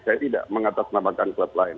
saya tidak mengatasnamakan klub lain